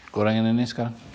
kurangin ini sekarang